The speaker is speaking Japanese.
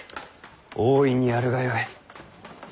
大いにやるがよい。